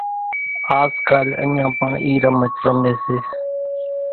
پڻ آز ڪال اڃان پڻ اِي رمچ رمي سي